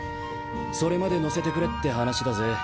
それまで乗せてくれって話だぜ。